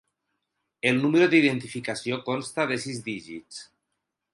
El número d'identificació consta de sis dígits.